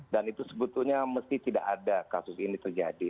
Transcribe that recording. dan itu sebetulnya mesti tidak ada kasus ini terjadi